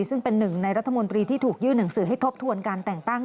ซึ่งเป็นหนึ่งในรัฐมนตรีที่ถูกยื่นหนังสือให้ทบทวนการแต่งตั้ง